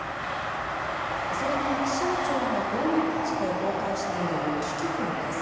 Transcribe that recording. それが気象庁のホームページで公開しているキキクルです。